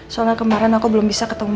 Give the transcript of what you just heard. soalnya kemarin aku belum bisa ketemu